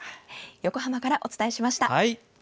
横浜から、お伝えしました。